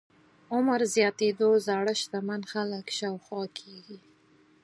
عمر زياتېدو زاړه شتمن خلک شاوخوا کېږي.